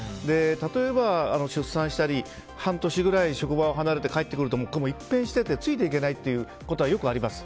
例えば、出産したり半年ぐらい職場を離れて帰ってくると一変しててついていけないということがよくあります。